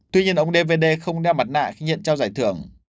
tuy nhiên ông d v d không đeo mặt nạ khi nhận trao giải thưởng